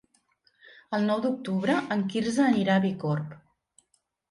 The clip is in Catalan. El nou d'octubre en Quirze anirà a Bicorb.